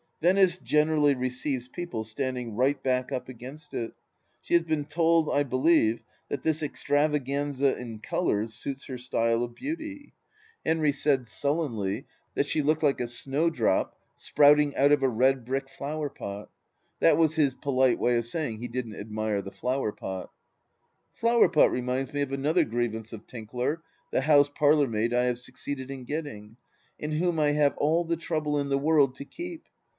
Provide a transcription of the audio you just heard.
Venice generally receives people standing right back up against it ; she has been told, I believe, that this extra vanganza in colours suits her style of beauty. Henry said, THE LAST DITCH 241 sullenly, that she looked like a snowdrop sprouting out of a red brick flower pot. That was his polite way of saying he didn't admire the flower pot. Flower pot reminds me of another grievance of Tinkler, the house parlourmaid I have succeeded in getting, and whom I have all the trouble in the world to keep.